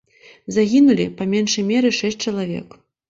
Загінулі па меншай меры шэсць чалавек.